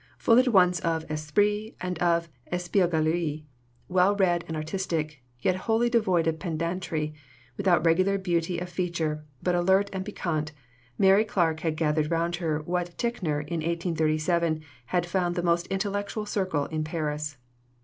Full at once of esprit and of espièglerie, well read and artistic yet wholly devoid of pedantry, without regular beauty of feature, but alert and piquante, Mary Clarke had gathered round her what Ticknor in 1837 had found the most intellectual circle in Paris.